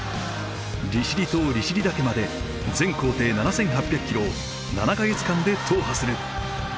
利尻島利尻岳まで全行程７，８００キロを７か月間で踏破する。